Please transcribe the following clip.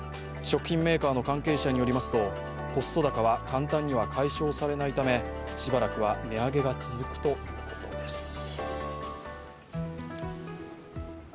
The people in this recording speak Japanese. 食品メーカーの関係者によりますとコスト高は簡単には解消されないためしばらくは値上げが続くということです。